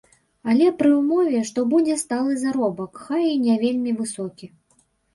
Але пры ўмове, што будзе сталы заробак, хай і не вельмі высокі.